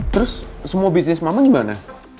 terus semua bisnis mama gimana